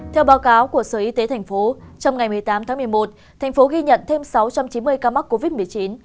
theo báo cáo của sở y tế tp trong ngày một mươi tám tháng một mươi một tp ghi nhận thêm sáu trăm chín mươi ca mắc covid một mươi chín